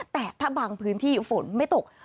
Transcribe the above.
แต่ถ้าบางพื้นที่ฝนไม่ตก